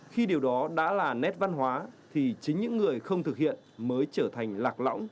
khi điều đó đã là nét văn hóa thì chính những người không thực hiện mới trở thành lạc lõng